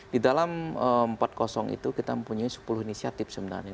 di dalam empat itu kita mempunyai sepuluh inisiatif sebenarnya